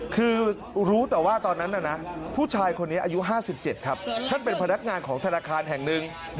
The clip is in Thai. คือรู้แต่ว่าตอนนั้นน่ะนะผู้ชายคนนี้อายุ๕๗ครับท่านเป็นพนักงานของธนาคารแห่งหนึ่ง